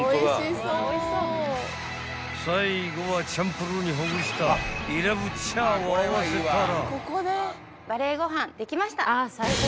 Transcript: ［最後はチャンプルーにほぐしたイラブチャーを合わせたら］